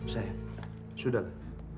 sayang sudah lah